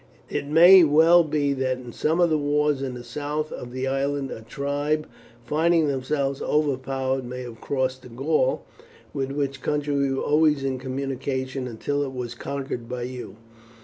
It may well be that in some of the wars in the south of the island a tribe, finding themselves overpowered, may have crossed to Gaul, with which country we were always in communication until it was conquered by you.